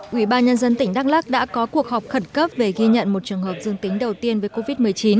quỹ ba nhân dân tỉnh đắk lắc đã có cuộc họp khẩn cấp về ghi nhận một trường hợp dương tính đầu tiên với covid một mươi chín